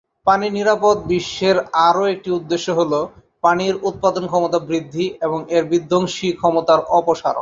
পানি নিরাপদ বিশ্বের আরও একটি উদ্দেশ্য হলো, পানির উৎপাদন ক্ষমতা বৃদ্ধি এবং এর বিধ্বংসী ক্ষমতার অপসারণ।